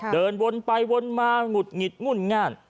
เดินวนไปวนมาหงุดหงิดงุ่นง่าน